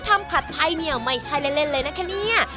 ผัดไทยเนี่ยไม่ใช่เล่นเลยนะคะเนี่ย